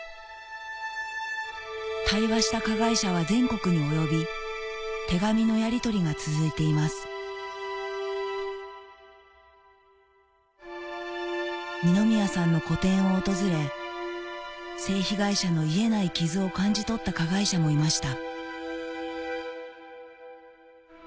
対話した加害者は全国に及び手紙のやりとりが続いていますにのみやさんの個展を訪れ性被害者の癒えない傷を感じ取った加害者もいました